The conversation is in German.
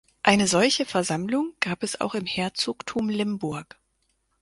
Eine solche Versammlung gab es auch im Herzogtum Limburg.